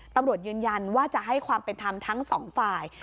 ตำรวจยืนยันว่าจะให้ความเป็นธรรมทั้งสองฝ่าย